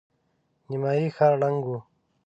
نيمايي ښار ړنګ و.